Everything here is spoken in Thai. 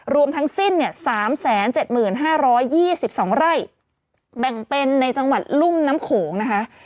รวมทั้งสิ้นเนี่ย๓๗๕๒๒ไร่แบ่งเป็นในจังหวัดลุ่มน้ำโขงนะคะ